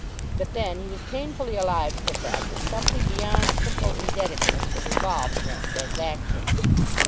But then he was painfully alive to the fact that something beyond simple indebtedness was involved in that transaction.